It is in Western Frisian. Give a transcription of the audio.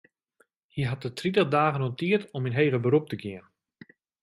Hy hat it tritich dagen oan tiid om yn heger berop te gean.